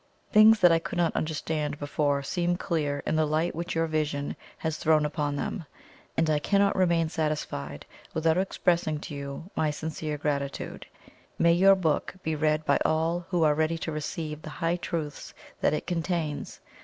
Things which I could not understand before seem clear in the light which your 'Vision' has thrown upon them, and I cannot remain satisfied without expressing to you my sincere gratitude. May your book be read by all who are ready to receive the high truths that it contains!